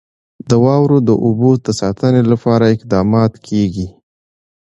د واورو د اوبو د ساتنې لپاره اقدامات کېږي.